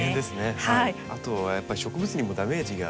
あとはやっぱり植物にもダメージが。